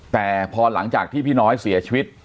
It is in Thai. แต่พอหลังจากที่พี่น้อยเสียชีวิต